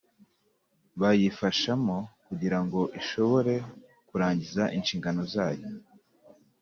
bayifashamo kugira ngo ishobore kurangiza inshingano zayo